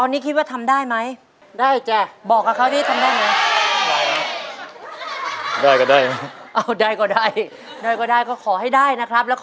สวัสดีครับ